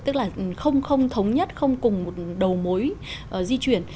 tức là không thống nhất không cùng một đầu mối di chuyển